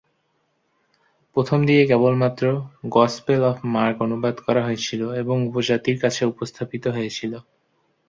প্রথমদিকে কেবলমাত্র Gospel of Mark অনুবাদ করা হয়েছিল এবং উপজাতির কাছে উপস্থাপিত হয়েছিল।